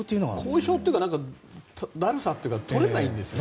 後遺症というかだるさというか取れないんですよね。